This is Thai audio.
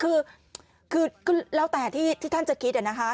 คือก็แล้วแต่ที่ท่านจะคิดนะคะ